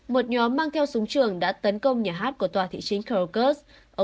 một nhóm mang theo súng trường đã tấn công nhà hát của tòa thị chính krokus